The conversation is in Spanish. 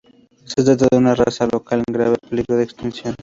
Se trata de una raza local en grave peligro de extinción.